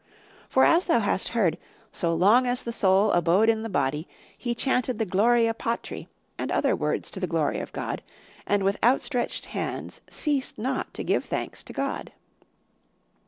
For, as thou hast heard, so long as the soul abode in the body, he chanted the 'Gloria Patri' and other words to the glory of God, and with outstretched hands ceased not to give thanks to God.